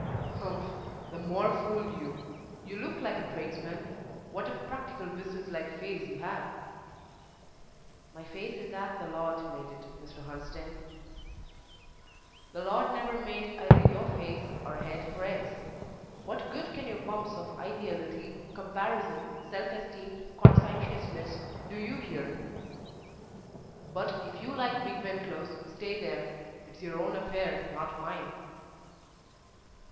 "Humph! the more fool you you look like a tradesman! What a practical business like face you have!" "My face is as the Lord made it, Mr. Hunsden." "The Lord never made either your face or head for X What good can your bumps of ideality, comparison, self esteem, conscientiousness, do you here? But if you like Bigben Close, stay there; it's your own affair, not mine."